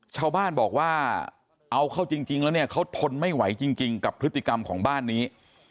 ชาวบ้านบอกว่าเอาเข้าจริงแล้วเนี่ยเขาทนไม่ไหวจริงกับพฤติกรรมของบ้านนี้